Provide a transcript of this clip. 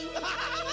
janganlah kau berguna